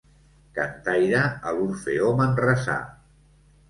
Cantaire a l'Orfeó Manresà.